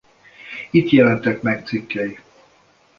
Itt jelentek meg cikkei.